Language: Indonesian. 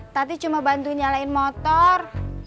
tadi cuma bantu nyalain motor